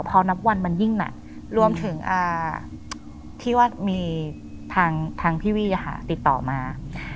พอนับวันมันยิ่งหนักรวมถึงที่ว่ามีทางพี่วี่ติดต่อมา